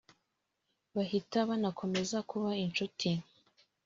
bahita banakomeza kuba inshuti